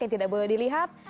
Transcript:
yang tidak boleh dilihat